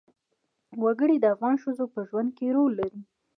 وګړي د افغان ښځو په ژوند کې رول لري.